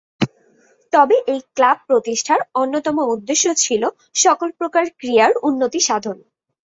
তবে এই ক্লাব প্রতিষ্ঠার অন্যতম উদ্দেশ্য ছিল "সকল প্রকার ক্রীড়ার উন্নতি সাধন"।